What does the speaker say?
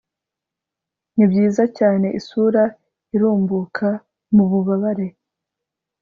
Nibyiza cyane isura irumbuka mububabare